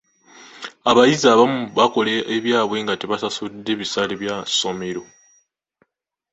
Abayizi abamu bakola ebyabwe nga tebasasudde bisale bya ssomero.